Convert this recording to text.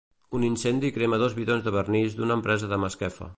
Un incendi crema dos bidons de vernís d'una empresa de Masquefa.